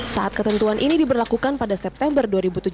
saat ketentuan ini diberlakukan pada september dua ribu tujuh belas